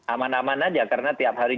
aman aman aja karena tiap hari